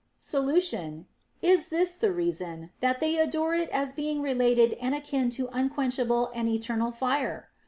Solution. Is this the reason, that they adored it as be ing related and akin to unquenchable and eternal fire